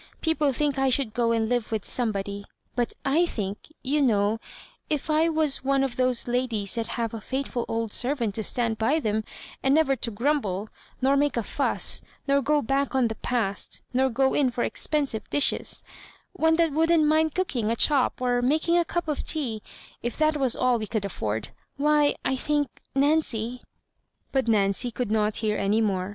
People think I should go and live with somebody ; but /think, you know— if I was one of those ladies that have a faithful old servant to stand by them, and never to grumble, nor make a fuss, nor go back on «the past, nor go in for expensive dishes — one that wouldn't mind cook ing a chop or making a cup of tea, if that was all we could afford— why, I think, Nancy '* But Nancy could not hear any more.